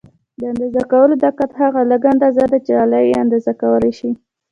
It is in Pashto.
د اندازه کولو دقت هغه لږه اندازه ده چې آله یې اندازه کولای شي.